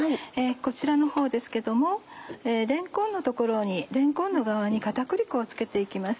こちらのほうですけどもれんこんの側に片栗粉を付けて行きます。